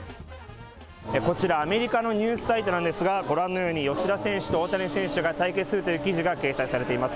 こちら、アメリカのニュースサイトなんですが、ご覧のように、吉田選手と大谷選手が対決するという記事が掲載されています。